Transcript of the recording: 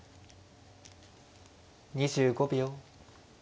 ２５秒。